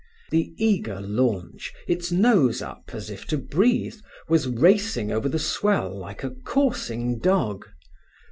The eager launch, its nose up as if to breathe, was racing over the swell like a coursing dog.